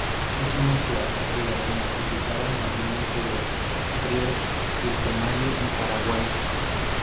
Es una ciudad ribereña ubicada en la unión entre los ríos Pilcomayo y Paraguay.